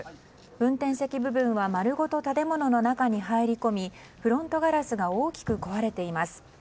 運転席部分は丸ごと建物の中に入り込みフロントガラスが大きく壊れています。